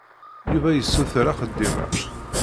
Yuba yessuter axeddim-a.